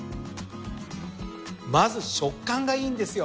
まず食感がいいんですよ。